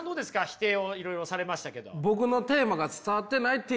否定をいろいろされましたけど。